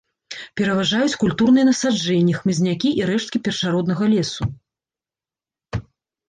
Пераважаюць культурныя насаджэнні, хмызнякі і рэшткі першароднага лесу.